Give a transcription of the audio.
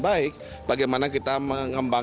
seharusnya yang altogethervenant airbroiin